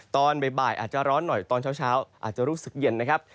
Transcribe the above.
ตอนบ่ายอาจจะร้อนหน่อยตอนเช้าอาจจะรู้สึกเย็นนะครับ